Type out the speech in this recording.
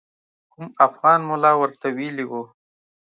کوم افغان ملا ورته ویلي وو.